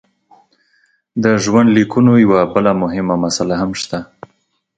د ژوندلیکونو یوه بله مهمه مساله هم شته.